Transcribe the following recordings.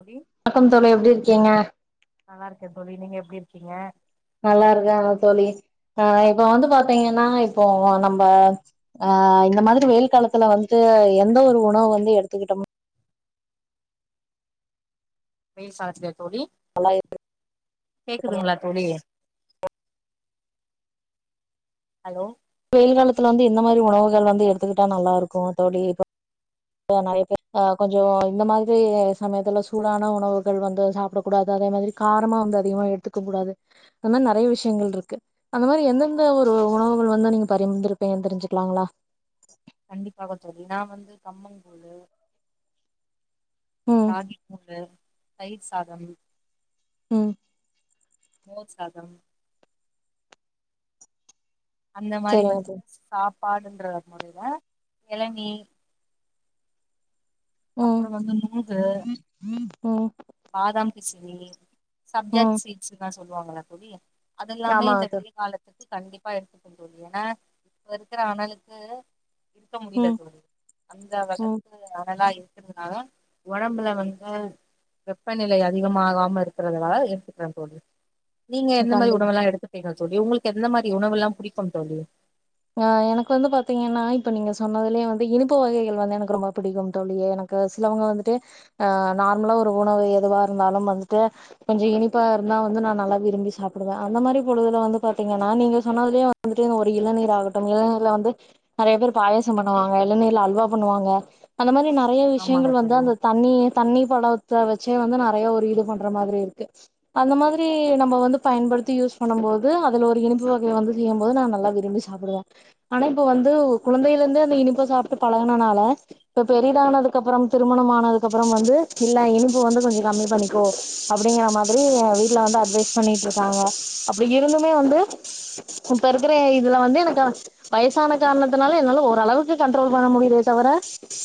தோழி வணக்கம் தோழி எப்படி இருக்கீங்க நல்லா இருக்கே தோழி நீங்க எப்டி இருக்கீங்க நல்லா இருக்கே தோழி ஆஹ் இப்ப வந்து பாத்தீங்கன்னா இப்போ நம்ம ஆஹ் இந்த மாதிரி வெயில் காலத்துல வந்து எந்த ஒரு உணவு வந்து எடுத்துக்கிட்டோம் ப சா அசுதல் தோழி கேக்குதுங்களா தோழி ஹலோ வெயில் காலத்துல வந்து இந்த மாதிரி உணவுகள் வந்து எடுத்துக்கிட்டா நல்லா இருக்கும் தோழி இப்ப நெறிய பேர் கொஞ்சம் இந்த மாதிரி சமயத்துல சூடான உணவுகள் வந்து சாப்பிடக்கூடாது அதே மாதிரி காரமா வந்து அதிகமா எடுத்துக்க கூடாது அந்த மாதிரி நிறைய விஷயங்கள் இருக்கு அந்த மாதிரி எந்தெந்த ஒரு உணவுகள் வந்து என்ன நீங்க [unintelligible] தெரிஞ்சுக்களாங்லா கண்டிப்பா கொஞ்சம் நா வந்து கம்மங்குளு ம் ராகிக்கூலு தயிர் சாதம் உம் மோர் சாதம் அந்த மாரி சரிங்க வந்து தோழி சா பாடுன்ற முறயில இளநி ம் வந்து நுங்கு ம் பாதாம் பிசினி ம் சப்ஜெக்ட் சீஸ் தான் சொல்லுவாங்களா கேரிய அதெல்லாமே ஆமாங்க இந்த தோழி வெயில் காலத்துக்கு கண்டிப்பா எடுத்துக்கள்ள ஏன்னா இப்ப இருக்கிற ஆணலுக்கு இருக்க முடியல ம் தோழி அந்த வகு ம் அனலா இரு [inaudible] உடம்புல வந்து வெப்பநிலை அதிகமாகாம இருக்குறதுனால ஏத்துக்குறன் தோல்வி நீங்க எந்த மாதிர கண்டிப்பா உணவலாம் எல்லாம் எடுத்துப்பீங்க தோழி உங்களுக்கு எந்த மாரி உணவுல்லாம் பிடிக்கும் தோழி ஆ எனக்கு வந்து பாத்தீங்கன்னா இப்ப நீங்க சொன்னதுலயே வந்து இனிப்பு வகைகள் வந்து எனக்கு ரொம்ப பிடிக்கும் தோழியே எனக்கு சிலவங்க வந்துட்டு ஆ நார்மலா ஒரு உணவு எதுவா இருந்தாலும் வந்துட்டு கொஞ்சம் இனிப்பா இருந்தா வந்து நான் நல்ல விரும்பி சாப்பிடுவேன் அந்த மாரி பொழுதுல வந்து பாத்தீங்கன்னா நீங்க சொன்னதுலேயே வந்துட்டு ஒரு இளநீர் கட்டும் இளநீல வந்து நிறைய பேர் பாயசம் பண்ணுவாங்க இளநீர்ல அல்வா பண்ணுவாங்க அந்த மாதிரி ந நெறைய ஆமாங்க விஷயங்கள் வந்து தோழி அந்த தண்ணி தண்ணி பழத்தை வச்சு வந்து நிறைய ஒரு இது பண்ற மாதிரி இருக்கு அந்த மாதிரி நம்ம வந்து பயன்படுத்தி யூஸ் பண்ணும் போது அதுல ஒரு இனிப்பு வகையை வந்து செய்யும்போது நாங்கலல்லாம் விரும்பின் ச ஆனா இப்ப வந்து குழந்தையில இருந்து அந்த இனிப்பு சாப்பிட்டு பழகனால இப்ப பெரிதனதுக்கப்புறம் திருமணம் ஆனதுக்கு அப்புறம் வந்து இல்ல இனிப்பு வந்து கொஞ்சம் கம்மி பண்ணிக்கோ அப்படிங்கற மாதிரி வீட்டுல வந்து அட்வைஸ் பண்ணிட்டு இருக்காங்க அப்படி இருந்துமே வந்து இப்ப இருக்கிற இதுல வந்து [inaudible] வயசான காரணத்தினால என்னால ஓரளவுக்கு கண்ட்ரோல் பண்ண முடியுதே தவிர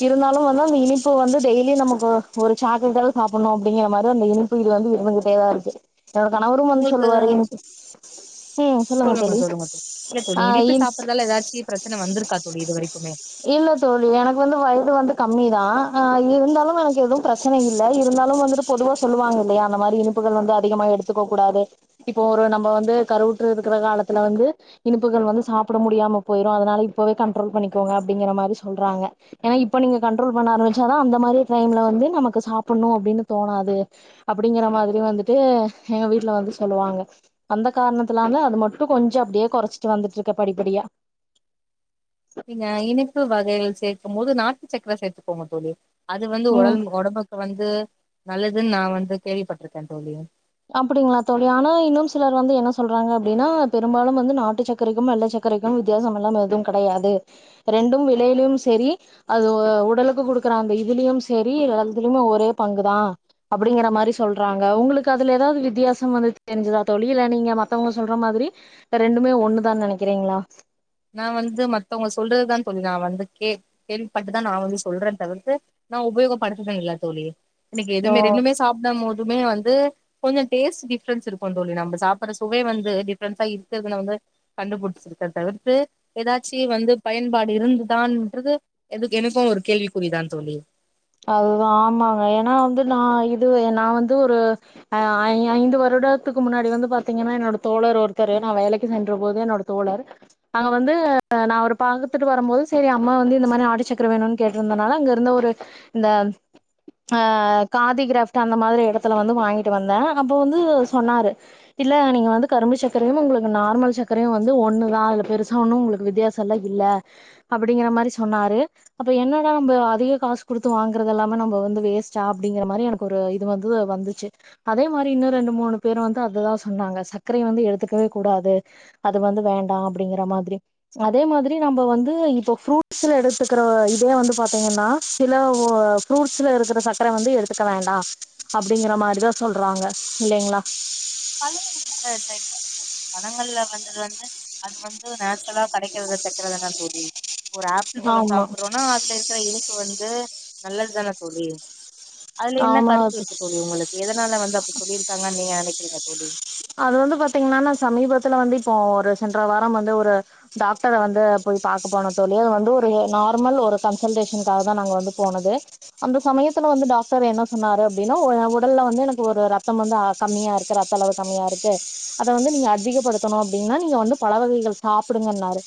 இருந்தாலும் வந்து அந்த இனிப்பு வந்து டெய்லி நமக்கு ஒரு சாக்லேட்டால சாப்பிடணும் அப்டிங்கிற மாரி அந்த இனிப்பு இது வந்து இருந்துகிட்டேதான் இருக்கு எ கணவரும் வந்து உங்களுக்கு சொல்லுவார் இனக் ஸ்ட் ஹம் சொல்லுங்க தோழி சொல்லுங்க இல்ல தோழி ஆ இனிப்பு இ சாப்பிடறதால ஏதாச்சு பிரச்சன வந்திருக்கா தோழி இது வரைக்குமே இல்ல தோழி எனக்கு வந்து வயது வந்து கம்மி தான் ஆ இருந்தாலும் எனக்கு எதுவும் பிரச்சனை இல்ல இருந்தாலும் வந்துட்டு பொதுவா சொல்லுவாங்க இல்லயா அந்த மாதரி இனிப்புகள் வந்து அதிகமா எடுத்துக்க கூடாது இப்போ ஒரு நம்ம வந்து கருவுட்று இருக்கிற காலத்துல வந்து இனிப்பு கள் வந்து சாப்பிட முடியாம போயிரும் அதனால இப்பவே கண்ட்ரோல் பண்ணிக்கோங்க அப்டிங்கற மாரி சொல்றாங்க ஏன்னா இப்ப நீங்க கண்ட்ரோல் பண்ண ஆரம்பிச்சாதான் அந்த மாரி டைம்ல வந்து நமக்கு சாப்பிடணும் அப்டின்னு தோணாது அப்டிங்கற மாரி வந்துட்டு எங்க வீட்டுல வந்து சொல்லுவாங்க அந்த காரணத்துலந்து அது மட்டும் கொஞ்சம் அப்டியே குறைச்சி [inaudible] வந்துட்டு இருக்க படிப்படியா நீங்க இனைப்பு வகைகள் சேர்க்கும் போது நாட்டு சக்கர சேர்த்துகோ தோழி அது வந்து ம் உடல் உடம்புக்கு வந்து நல்லதுன்னு நான் வந்து கேள்விப்பட்டிருக்கேன் தோழி அப்டிங்களா தொழியானா இன்னும் சிலர் வந்து என்ன சொல்றாங்க அப்டின்னா பெரும்பாலும் வந்து நாட்டு சர்கக்கரைக்கும் வெள்ளை சர்கக்கரைக்கும் வித்தியாசம் எல்லாம் எதுவும் கிடையாது ரெண்டும் விலையிலயும் சரி அது உடலுக்கு குடுக்குற அந்த இதுலயும் சரி இத்துலயுமே ஒரே பங்குதான் அப்டிங்கற மாரி சொல்றாங்க உங்களுக்கு அதுல ஏதாவது வித்தியாசம் வந்து தெரிஞ்சுதா தோழி இல்ல நீங்க மத்தவங்க சொல்ற மாரி ரெண்டுமே ஒண்ணுதான் நினைக்கிறீங்களா நான வந்து மத்தவங்க சொல்றதுதான் தோழி நான வந்து கே கேள்விபட்டுதான் நான வந்து சொல்றேன் தவிர்த்து நான உபயோகப்படுத்தனதே இல்ல தோழி எனக்கு ஓ எவுமே ரெண்டுமே சாப்பிட போது இதுமே வந்து கொஞ்சம் டேஸ்ட் டிஃப்ரென்ஸ் இருக்கும் தோழி நம்ம சாப்பிடற சுவை வந்து டிஃப்ரென்ஸா இருக்குது வந்து கண்டுபிடிச்சிருக்க தவிர [inaudible] ஏதாச்சும் வந்து பயன்பாடு இருந்துதானறது எனக்கும் ஒரு கேள்விக்குறிதான் தோழி அதுதான் ஆமாங்க என வந்து நான் இது நான் வந்து ஒரு அ ஐ ஐந்து வருடத்துக்கு முன்னாடி வந்து பாத்தீங்கன்னா என்னோட தோழர் ஒருத்தர் நான வேலைக்கு சென்ற போது என்னோட தோழர் அங்க வந்து [inaudible] அவ ஒரு பாத்துட்டு வரும்போது சரி அம்மா வந்து இந்த மாரி ஆடிச்சக்கர வேணும்னு கேட்டிருந்ததுனால அங்க இருந்து ஒரு இந்த ஆ காதி கிராப்ட்ட் அந்த மாரி இடத்துல வந்து வாங்கிட்டு வந்தேன் அப்போ வந்து சொன்னாரு இல்ல நீங்க வந்து கரும்பு சர்க்கரையும் உங்களுக்கு நார்மல் சர்க்கரையும் வந்து ஒண்ணுதான் அதுல பெருசா ஒன்னும் உங்களுக்கு வித்தியாசல்ல இல்ல அப்டிங்கிற மாரி சொன்னாரு அப்ப என்னடா நம்ம அதிக காசு குடுத்து வாங்கறது இல்லாம நம்ம வந்து வேஸ்ட்டா அப்டிங்கிற மாரி எனக்கு ஒரு இது வந்து வந்துச்சு அதே மாரி இன்னும் ரெண்டு மூணு பேரும் வந்து அதுதான் சொன்னாங்க சர்க்கரைய வந்து எடுத்துக்கவே கூடாது அது வந்து வேண்டாம் அப்டிங்கிற மாரி அதே மாதிரி நம்ப வந்து இப்போ ஃப்ரூட்ஸ்ல எடுத்துக்கிற இதே வந்து பாத்தீங்கன்னா சில ஃப்ரூட்ஸில இருக்கிற சர்க்கர வந்து எடுத்துக்க வேண்டாம் அப்டிங்கிற மாரி தான் சொல்கிறாங்க இல்லங்களா பழங்கள்ள வந்தது வந்து அது வந்து நேச்சுரலா கெடைக்கிறது சக்கரதான ஒரு ஆப்பிள் பழம் ஆமா சாப்றோனா அதுல இருக்கிற இனிப்பு வந்து து நல்லதுதானே தோழி அதுல என்ன ஆமா கருத்து இருக்க போது இவங்களுக்கு எதனால வந்து அப்டி சொல்லியிருக்காங்கன்னு நீங்க நினைக்க ஓடி அது வந்து பாத்தீங்கன்னனா சமீபத்துல வந்து இப்போ ஒரு சென்ற வாரம் வந்து ஒரு டாக்டர வந்து போய் பாக்க போன தோழி வந்து ஒரு நார்மல் ஒரு கன்சல்டேஷனுக்காக தான் நாங்க வந்து போனது அந்த சமயத்துல வந்து டாக்டர் என்ன சொன்னாரு அப்டினா உ உடல்ல வந்து எனக்கு ஒரு ரத்தம் வந்து கம்மியா இருக்கு ரத்த அளவு கம்மியா இருக்கு அத வந்து நீங்க அதிகப்படுத்தனும் அப்டின்னா நீங்க வந்து பல வகைகள் சாப்பிடுங்கன்னாரு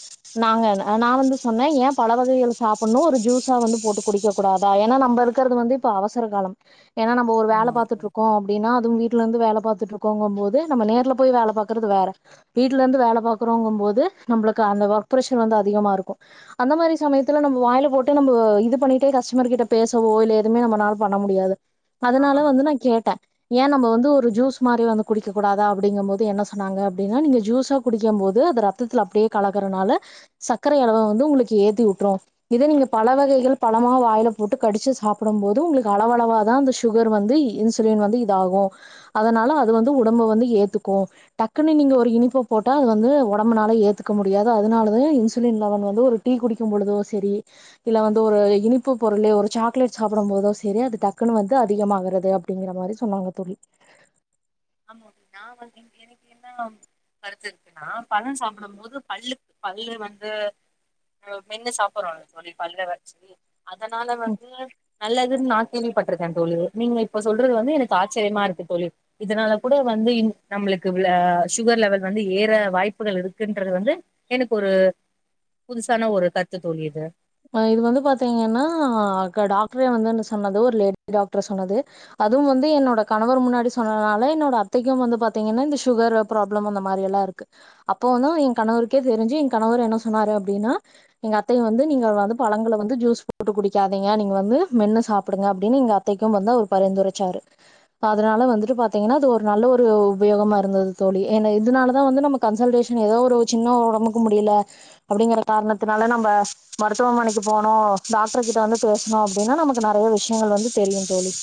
நாங்க நான வந்து சொன்னேன் ஏன் பல வகைகள் சாப்புண்ணும் ஒரு ஜூஸா வந்து போட்டு குடிக்க கூடாதா ஏன்னா நம்ம இருக்கிறது வந்து இப்ப அவசர காலம் ஏன்னா நம்ம ஒரு வேல ஆமாங்க தோழி பாத்துட்டுருக்கோம் அப்பிடினா அதுஉ வீட்டுல இருந்து வேல பாத்துட்டு இருக்கோங்க அ போது நம்ம நேர்ல போய் வேல பாக்றது வேற வீட்டுல இருந்து வேல பாக்குறோங்கும் போது நம்புளுக்கு அந்த ஒர்க்பிரெஷர் வந்து அதிகமா இருக்கும்அந்த மாரி சமயத்துல நம்ம வாயில போட்டு நம்ம இது பண்ணிட்டே கஸ்டமர் கிட்ட பேசவோ இல்ல எதுவுமே நம்பனால் பண்ண முடியாது அதனால ஆமாங்க வந்து நான கேட்ட ஏன் நம்ப வந்து ஒரு ஜூஸ் மாரி வந்து குடிக்கக்கூடாதா அப்டிங்கும் போது என்ன சொன்னாங்க அப்டினா நீங்க ஜூஸா குடிக்கும் போது அது ரத்தத்தில அப்டியே கலகுறனால சர்க்கரை அளவ வந்து உங்களுக்கு ஏத்தி உட்ரோ இதே நீங்க பல வகைகள் பலமா வாயில போட்டு கடிச்சு சாப்டும் போது உங்களுக்கு அளவளவாதான் அந்த சுகர் வந்து இன்சுலின் வந்து இதாகும் அதனால அது வந்து உடம்பு வந்து ஏத்துக்கோ டக்குன்னு நீங்க ஒரு இனிப்ப போட்டா அது வந்து ஒடம்புனால ஏத்துக்க முடியாது அதனளயே இன்சுலின் லெவன் வந்து ஒரு டீ குடிக்கும் பொளுதோ செரி இல்ல வந்து ஒரு இனிப்பு பொருளே ஒரு சாக்லேட் சாப்பிடும் பொதோ செரி அது டக்குன்னு வந்து அதிகமாகுறது அப்டிங்கற மாரி சொன்னாங்க தோழி ஆமா நான வந்து எ எனக்கு என்ன கருத்து இருக்குன்னா பலம் சாப்பிடும் மோது பல்லு பல்லு வந்து மெ மென்னு சாப்பர்றோ [unintelligible] பல்ல வச்சு அதனால வந்து நல்லதூன் நா கேள்விப்பட்டிருக்கேன் தோலி நீங்க இப்ப சொல்றது வந்து எனக்கு ஆச்சரியமா இருக்கு தோலி இதனால கூட வந்து இங் நம்புளுக்கு உள்ள சுகர் லெவல் வந்து ஏற வாய்ப்புகள் இருக்குன்றது வந்து எனக்கு ஒரு புதுசான ஒரு கருத்து தோலி இது அ இது வந்து பாத்தீங்கன்னா க டாக்ட்ரே வந்து என்ன சொன்னது ஒரு லேடி டாக்டரு சொன்னது அதுவும் வந்து என்னோட கணவர் முன்னாடி சொன்னதுனால என்னோட அத்தைக்கும் வந்து பாத்தீங்கன்னா இந்த சுகர் ப்ராப்ளம் அந்த மாரி எல்லா இருக்கு அப்போதோ என் கணவருக்கே தெரிஞ்சு என் கணவர் என்ன சொன்னாரு அப்டின்னா எங்க அத்தைைய வந்து நீங்க வந்து பழங்கள வந்து ஜூஸ் போட்டு குடிக்காதீங்க நீங்க வந்து மென்னு சாப்பிடுங்க அப்டடின்னு எங்க அத்தைக்கும் வந்து அவர் பரிந்துரைச்சாரு அதனால வந்துட்டு பாத்தீங்கன்னா அது ஒரு நல்ல ஒரு உபயோகமா இருந்தது தோழி ஏனா இதனாலதா வந்து நம்ம கன்சல்டேஷன் ஏதோ ஒரு சின்ன உடம்புக்கு முடியல அப்டிங்கற காரணத்தனால நம்ப மருத்துவமணைக்கு போனோம் டாக்டர் கிட்ட வந்து பேசனோம் அப்டின்னா நமக்கு நெறைய விஷயங்கள் வந்து தெரியும் தோலி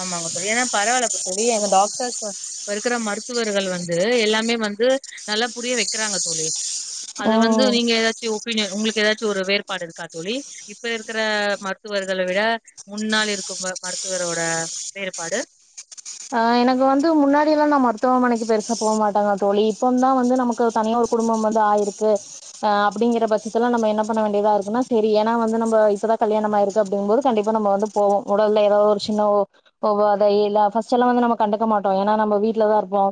ஆமாங்க தோழி பரவால்ல தோழி டாக்டர்ஸ் வந் இப்போ இருக்கற மருத்துவர்கள் வந்து எல்லாமே வந்து நல்லா புரிய வைக்கிறாங்க தோலி அது வந்து ம் நீங்க ஏதாச்சும் [unintelligible] உங்களுக்கு ஏதாச்சும் ஒரு வேறுபாடு இருக்கா தோலி இப்ப இருக்கிற மருத்துவர்கல விட முன்னால் இருக்கப் போற மருத்துவரோ அ வேறுபாடு ஆ எனக்கு வந்து முன்னாடி எல்லா நா மருத்துவமனைக்கு பெருசா போக மாட்டாங்க தோலி இப்ப தான் வந்து நமக்கு தனியா ஒரு குடும்பம் வந்து ஆயிருச்சு அ அப்படிங்கிறக்ஷ பட்சத்துலா நம்ப என்ன பண்ண வேண்டியதா இருக்குன்னா சரி ஏனா வந்து நம்ப இப்பதா கல்யாணமாயிருக்கு அப்டிங்கும் போது கண்டிப்பா நம்ப வந்து போவோ உடல்ல ஏதாவது ஒரு சின்ன ஒ ஒவ்வாதை இல்லா [inaudible] வந்து நம்ம கண்டுக்கமாட்டோ ஏன்னா நம்ப வீட்டுலதான் இருப்போ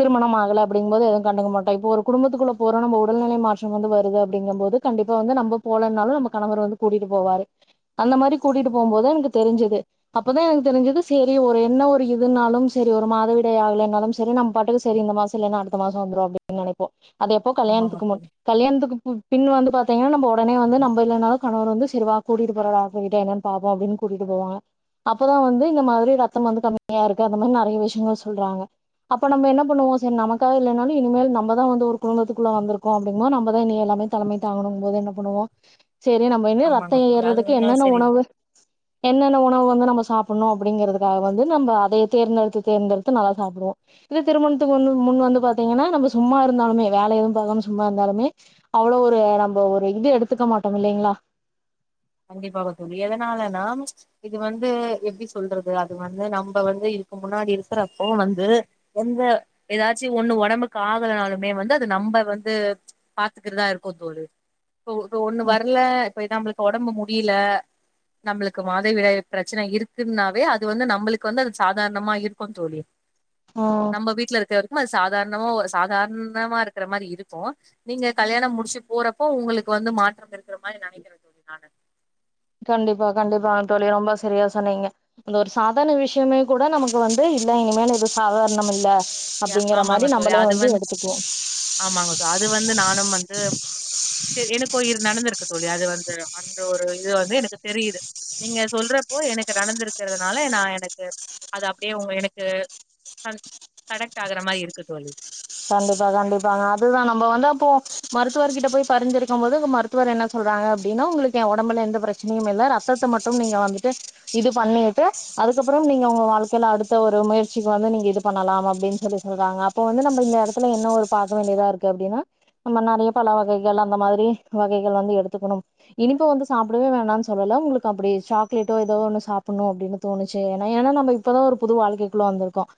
திருமணம் ஆகல அப்டிங்கும் போது எதுவும் கண்டுக்கமாட்டோ இப்போ ஒரு குடும்பத்துக்குள்ள போரோனுபோ உடல்நிலை மாற்றம் வந்து வருது அப்டிங்கும் போது கண்டிப்பா வந்து நம்ப போலனாலு நம்ப கணவர் வந்து கூட்டிட்டு போவாரு அந்த மாரி கூட்டிட்டு போகும் போது எனக்கு தெரிஞ்சது அப்பதா எனக்கு தெரிஞ்சது சரி ஒரு என்ன ஒரு [unintelligible] இதுனாலும் செரி ஒரு மாதவிடை ஆகலைனாலும் செரி நம்ப பாட்டுக்கு சரி இந்த மாச இல்லன்னா அடுத்த மாச வந்துரும் அப்டின்னு நெனைப்போம் அது எப்போ ஆமாங்க கல்யாணத்துக்கு முன் தோழி கல்யாணத்துக்கு பி பின் வந்து ப [unintelligible] நம்ப உடனே வந்து நம்ப இல்லனாலும் கணவர் வந்து செரி வா கூட்டிட்டு போராரா போய்ட்டு என்னன்னு பாப்போம் அப்டினு கூட்டிட்டு போவாங்க அப்தான் வந்து இந்த மாரி ரத்தம் வந்து கம்மி தனியா இருக்க அந்த மாரி நெறைய விஷயங்கள் சொல்றாங்க அப்ப நம்ம என்ன பண்ணுவோ சரி நமக்கா இல்லன்னால இனிமேல் நம்மதா வந்து ஒரு குடும்பத்துக்குள்ள வந்திருக்கோ அப்டிங்கும்மோ நம்பதா இனி எல்லாமே தலைமை தாங்கணும் போது என்ன பண்ணுவோம் சரி நம்ம [unintelligible] ஆமாங்க ரத்தம் தோழி அது ஏறுறதுக்கு வேணா என்னென்ன சரி உணவு என்னென்ன உணவு [unintelligible] நம்ப சாப்புண்ணும் அப்டிங்கிறதுக்காக வந்து நம்ம அதைய தேர்ந்தெடுத்து தேர்ந்தெடுத்து நல்லா சாப்டுவோ இது திருமணத்துக்கு மு முன் வந்து பாத்தீங்கனா நம்ம சும்மா இருந்தாலுமே வேல எதுவும் பாக்காம சும்மா இருந்தாலுமே அவ்ளோ ஒரு நம்ம ஒரு இது எடுத்துக்க மாட்டோ இல்லங்ளா கண்டிப்பாக தோழி எதனாலன்னா இது வந்து எப்டி சொல்றது அது வந்து நம்ப வந்து இதுக்கு முன்னாடி இருக்கிறப்ப வந்து எந்த ஏதாச்சு ஒண்ணு ஒடம்புக்கு ஆகலனாலுமே வந்து அது நம்ப வந்து பாத்துக்கரதா இருக்கு தோழி இப்போ இப்போ ஒண்ணு வரல போய்டாம்ப உடம்பு முடியல நம்ளுக்கு மாதை விடாய பிரச்சனை இருக்குன்னாவே அது வந்து நம்மளுக்கு வந்து அது சாதாரணமா இருக்கும் தோலி ம் நம்ம வீட்ல இருக்காரு சாதாரணமா ஒரு சாதாரணமா இருக்கற மாரி இருக்கும் நீங்க கல்யாணம் முடிச்சு போறப்போ உங்களுக்கு வந்து மாற்றம் இருக்ற மாரி நினைக்கிற [inaudible] கண்டிப்பா கண்டிப்பா தோழி ரொம்ப சரியா சொன்னீங்க அந்த ஒரு சாதாரண விஷயமே கூட நமக்கு வந்து இல்ல இனிமே எதுவும் சாதார்ணம் இல்ல அப்டிங்கிற ஆமாங்க மாரி ச நம்மளே அது வந்து வந் எடுத்துக்குவோ ஆமாங்க ச அது வந்து நானும் வந்து எனக்கு [inaudible] நடந்திருக்கு தோலி அது வந்து அந்த ஒரு இது வந்து எனக்கு தெரியுது நீங்க சொல்றப்போ எனக்கு நடந்துருக்கிறதுனால நான எனக்கு அது அப்டியே உங்க எனக்கு கடெக்ட் ஆகுற மாரி இருக்கு தோலி கண்டிப்பா கண்டிப்பாங்க அதுதான் நம்ம வந்து அப்போ மருத்துவர்கிட்ட போய் பரிந்துரைக்குபோது மருத்துவர் என்ன சொல்றாங்க அப்டின்னா உங்களுக்கு என் உடம்புல எந்த பிரச்சனையும் இல்ல ரத்தத்தை மட்டும் நீங்க வந்துட்டு இது பண்ணிட்டு அதுக்கப்பறம் நீங்க உங்க வாழ்க்கையில அடுத்த ஒரு முயற்சிக்கு வந்து நீங்க இது பண்ணலாம் அப்டின்னு சொல்லி சொல்றாங்க அப்ப வந்து நம்ம இந்த இடத்துல என்ன ஒரு பாக்க வேண்டியதா இருக்கு அப்டின்னா நம்ம நெறைய பழ வகைகள் அந்த மாரி வகைகள் வந்து எடுத்துக்கணும் இனிப்பு வந்து சாப்பிடவே வேணாம்னு சொல்ல உங்களுக்கு அப்டி சாக்லேட்டோ ஏதோ ஒன்னு சாப்பிடணும் அப்டின்னு தோணுச்சு ஏன்னா ஏன்னா நம்ம இப்பதான் ஒரு புது வாழ்க்கைக்குள்ள வந்ருக்கோம்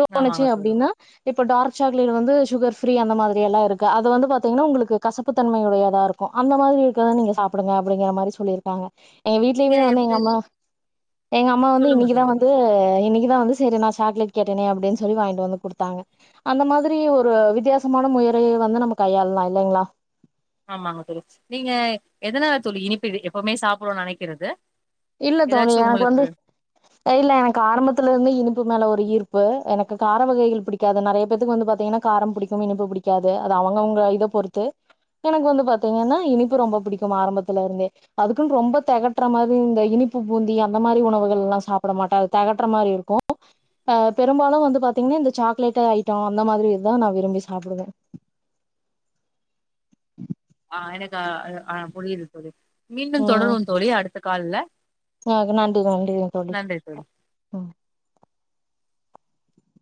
தோணுச்சு ஆமாங்க தோழி அப்டின்னா இப்ப டார்க் சாக்லேட் வந்து சுகர் ஃப்ரீ அந்த மாரி எல்லாம் இருக்கு அது வந்து பாத்தீங்கன்னா உங்களுக்கு கசப்புத்தன்மையுடையதா இருக்கும் அந்த மாரி இருக்றத நீங்க சாப்டுங்க அப்டிங்கிற மாரி சொல்லிருக்காங்க எங்க நீங்க வீட்லயுமே வந்து எப்டி எங்க அம்மா எங்க அம்மா வந்து சொல்லுங்க தோழி இன்னைக்குதான் வந்து இன்னைக்க இத வந்து செரி நான சாக்லேட் கேட்டேன் அப்டின்னு சொல்லி வாங்கிட்டு வந்து கொடுத்தாங்க அந்த மாரி ஒரு வித்யாசமான முறைய வந்து நம்ம கையாளலாம் இல்லைங்களா ஆமாங்க தோழி நீங்க எதனால தோழி இனிப்ப எப்பவுமே சாப்டணும்னு நினைக்கிறது இல்ல தோழி எனக்கு வந்து இல்ல எனக்கு ஆரம்பத்துல இருந்து இனிப்பு மேல ஒரு ஈர் இப்ப எனக்கு கார வகைகள் பிடிக்காது நெறைய பேக்கு வந்து பாத்தீங்கன்னா காரம் புடிக்கும் இனிப்பு புடிக்காது அவங்கவுங்க இத பொறுத்து எனக்கு வந்து பாத்தீங்கன்னா இனிப்பு ரொம்ப பிடிக்கும் ஆரம்பத்துல இருந்தே அதுக்குன்னு ரொம்ப தகட்டுற மாரி இந்த இனிப்பு பூந்தி அந்த மாரி உணவுகள் எல்லாம் சாப்பிட மாட்டேன் அது தகட்டுற மாரி இருக்கும் அ பெரும்பாலும் வந்து பாத்தீங்கன்னா இந்த சாக்லேட் ஐட்டம் அந்த மாரி இதுதான் நான் விரும்பி சாப்பிடுவேன் ஆஎனக்கு ஆ புரியுது சொ மீண்டும் தொடரும் தோழி அடு கால்ல ஆ நன்றி நன்றிங்க தோழி உம்